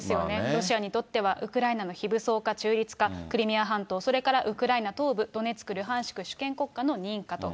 ロシアにとっては、ウクライナの非武装化、中立化、クリミア半島、それからウクライナ東部、ドネツク、ルハンシク、主権国家の認可と。